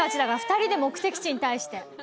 ２人で目的地に対して。